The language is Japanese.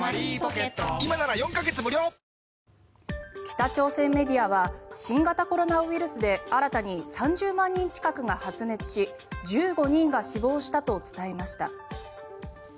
北朝鮮メディアは新型コロナウイルスで新たに３０万人近くが発熱し１５人が死亡したと伝えました。